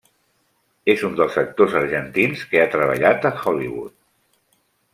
És un dels actors argentins que ha treballat a Hollywood.